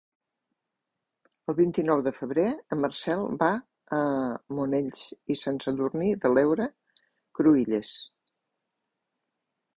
El vint-i-nou de febrer en Marcel va a Monells i Sant Sadurní de l'Heura Cruïlles.